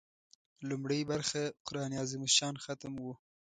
لومړۍ برخه قران عظیم الشان ختم و.